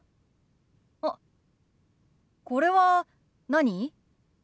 あっこれは何？